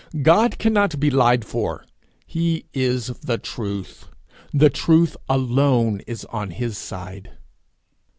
God cannot be lied for. He is the truth. The truth alone is on his side.